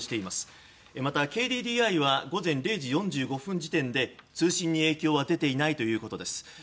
また、ＫＤＤＩは午前０時４５分時点で通信に影響は出ていないということです。